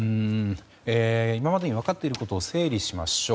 今までに分かっていることを整理しましょう。